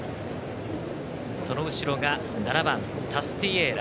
その後ろが７番、タスティエーラ。